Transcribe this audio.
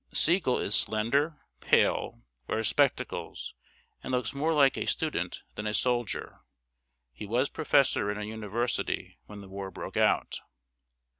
] Sigel is slender, pale, wears spectacles, and looks more like a student than a soldier. He was professor in a university when the war broke out.